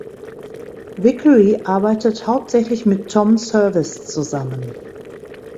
Vickery arbeitet hauptsächlich mit Tom Service zusammen.